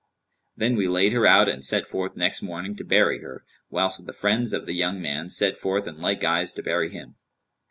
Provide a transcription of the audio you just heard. Then we laid her out and set forth next morning to bury her, whilst the friends of the young man set forth in like guise to bury him.